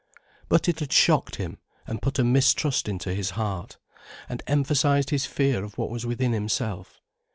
But it had shocked him, and put a mistrust into his heart, and emphasized his fear of what was within himself.